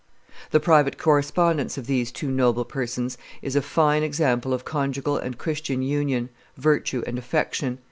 The private correspondence of these two noble persons is a fine example of conjugal and Christian union, virtue, and affection.